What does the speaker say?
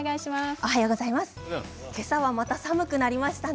今朝はまた寒くなりましたね。